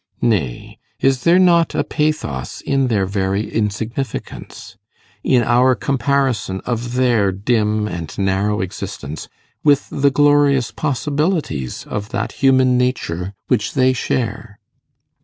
Nay, is there not a pathos in their very insignificance in our comparison of their dim and narrow existence with the glorious possibilities of that human nature which they share?